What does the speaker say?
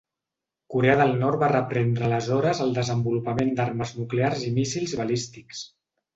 Corea del Nord va reprendre aleshores el desenvolupament d'armes nuclears i míssils balístics.